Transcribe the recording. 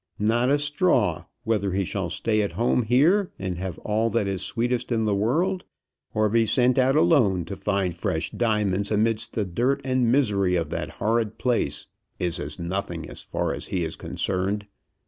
"Not a straw; whether he shall stay at home here and have all that is sweetest in the world, or be sent out alone to find fresh diamonds amidst the dirt and misery of that horrid place, is as nothing, as far as he is concerned.